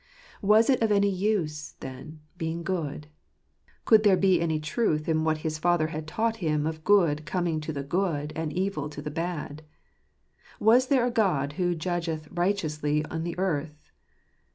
" Was it of any use, then, being good? Could there be any truth in what his father had taught him of good coming to the good, and evil to the bad? Was there a God who judgeth righteously in the earth?